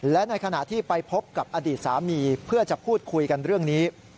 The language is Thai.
และในขณะที่ไปพบกับอดีตสามีเพื่อจะพูดคุยกันเรื่องนี้